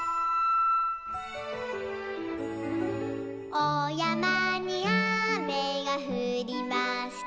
「おやまにあめがふりました」